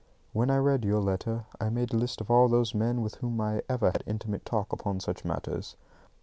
When I read your letter, I made a list of all those men with whom I ever had intimate talk upon such matters.